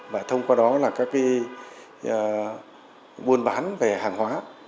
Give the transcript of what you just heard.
và thông qua đó là các buôn bán về hàng hóa